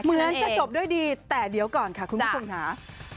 เหมือนจะจบด้วยดีแต่เดี๋ยวก่อนค่ะคุณผู้ชมค่ะ